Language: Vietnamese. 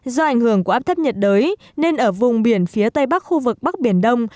do ảnh hưởng của áp thấp nhiệt đới nên ở vùng biển phía tây bắc khu vực bắc biển đông